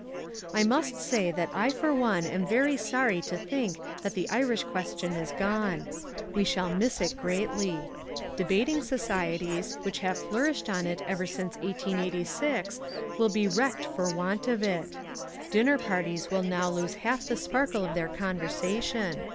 I must say that I for one am very sorry to think that the Irish question is gone. We shall miss it greatly. Debating societies which have flourished on it ever since 1886 will be wrecked for want of it. Dinner parties will now lose half the sparkle of their conversation.